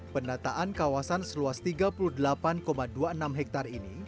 pendataan kawasan seluas tiga puluh delapan dua puluh enam hektare ini